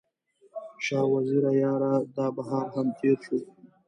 شاه وزیره یاره، دا بهار هم تیر شو